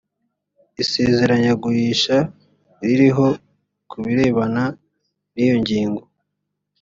isezeranyagurisha ririho ku birebana n iyo ngingo